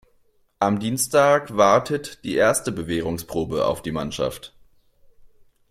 Am Dienstag wartet die erste Bewährungsprobe auf die Mannschaft.